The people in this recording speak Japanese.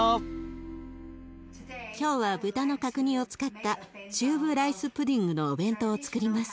今日は豚の角煮を使ったチューブライスプディングのお弁当をつくります。